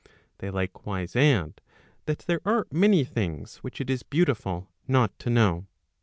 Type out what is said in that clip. They likewise add, that there are many things which it is beautiful not to know.